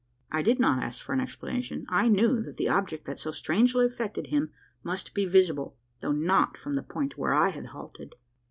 I did not ask for an explanation. I knew that the object that so strangely affected him must be visible though not from the point where I had halted.